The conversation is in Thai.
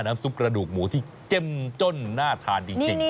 น้ำซุปกระดูกหมูที่เจ็บจ้นน่าทานดีจริง